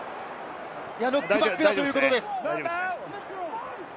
ノックバックだということです。